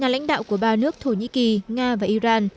ba lãnh đạo của ba nước thổ nhĩ kỳ nga và iran